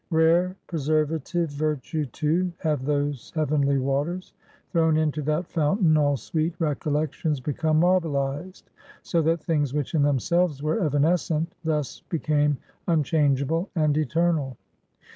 Rare preservative virtue, too, have those heavenly waters. Thrown into that fountain, all sweet recollections become marbleized; so that things which in themselves were evanescent, thus became unchangeable and eternal.